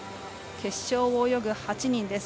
決勝を泳ぐ８人です。